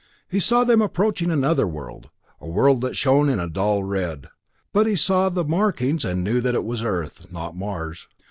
He saw them approaching another world, a world that shone a dull red, but he saw the markings and knew that it was Earth, not Mars.